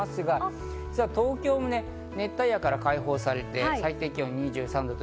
東京も熱帯夜から解放されて最低気温２３度。